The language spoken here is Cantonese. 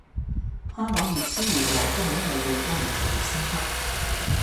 香港越燒越旺都係因為對家越嚟越升級